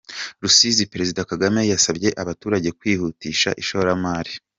Rusizi Perezida Kagame yasabye abaturage kwihutisha ishoramari